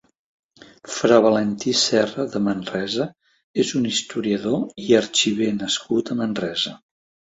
Fra Valentí Serra de Manresa és un historiador i arxiver nascut a Manresa.